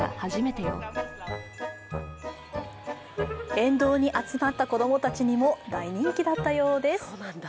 沿道に集まった子供たちにも大人気だったようです。